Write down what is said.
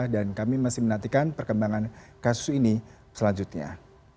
dan kami masih menantikan perkembangan kasus ini selanjutnya